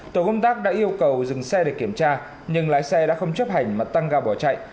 tổ công tác đã yêu cầu dừng xe để kiểm tra nhưng lái xe đã không chấp hành mà tăng ga bỏ chạy